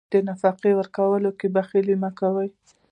د نفقې ورکولو کې بخل مه کوه.